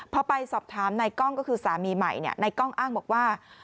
พอไปสอบถามนายกล้องก็คือสามีใหม่นายกล้องอ้างบอกว่า